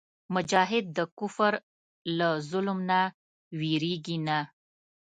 مجاهد د کفر له ظلم نه وېرېږي نه.